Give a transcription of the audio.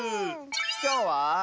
きょうは。